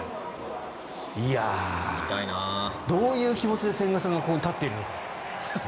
どういう気持ちで千賀さんがここに立っているのか。